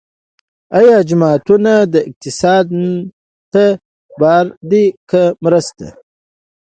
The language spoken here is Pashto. آیا جوماتونه اقتصاد ته بار دي که مرسته؟